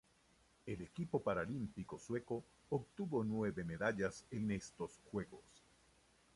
El equipo paralímpico sueco obtuvo nueve medallas en estos Juegos.